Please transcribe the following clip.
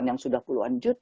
ini yang hebat